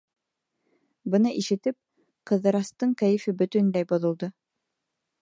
Быны ишетеп, Ҡыҙырастың кәйефе бөтөнләй боҙолдо.